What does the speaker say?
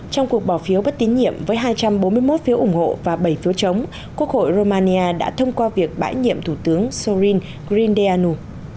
trong cuộc bỏ phiếu bất tín nhiệm với hai trăm bốn mươi một phiếu ủng hộ và bảy phiếu chống quốc hội romania đã thông qua việc bãi nhiệm thủ tướng soren grindeanu